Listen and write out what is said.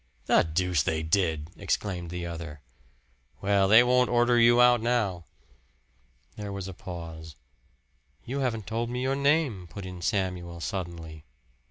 "The deuce they did!" exclaimed the other. "Well, they won't order you out now." There was a pause. "You haven't told me your name," put in Samuel suddenly.